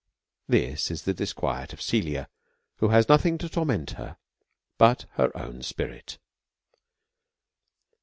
This is the disquiet life of Caelia, who has nothing to torment her but her own spirit.